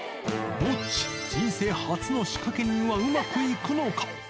ノッチ、人生初の仕掛け人はうまくいくのか。